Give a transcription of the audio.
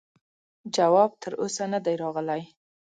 جواب تر اوسه نه دی راغلی.